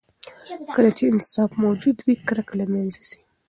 کله چې انصاف موجود وي، کرکه له منځه ځي.